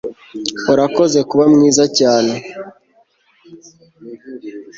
Urakoze kuba mwiza cyane